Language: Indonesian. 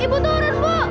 ibu turun bu